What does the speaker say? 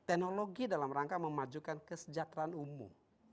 teknologi dalam rangka memajukan kesejahteraan umum